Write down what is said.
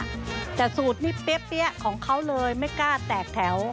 แต่สูตรนี้เปี๊ยะของเขาเลยไม่กล้าแตกแถว